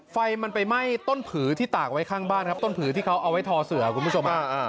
ไฟมันไปไหม้ต้นผือที่ตากไว้ข้างบ้านครับต้นผือที่เขาเอาไว้ทอเสือคุณผู้ชม